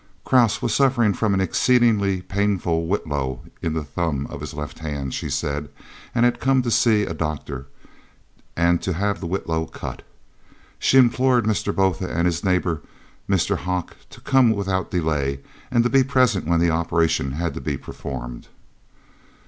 Krause was suffering from an exceedingly painful whitlow in the thumb of his left hand, she said, and he had come to see a doctor and to have the whitlow cut. She implored Mr. Botha and his neighbour Mr. Hocke to come without delay, and to be present when the operation had to be performed.